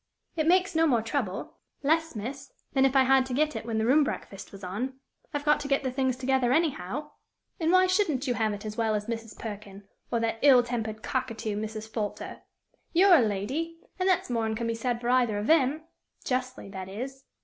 "It makes no more trouble less, miss, than if I had to get it when the room breakfast was on. I've got to get the things together anyhow; and why shouldn't you have it as well as Mrs. Perkin, or that ill tempered cockatoo, Mrs. Folter? You're a lady, and that's more'n can be said for either of them justly, that is."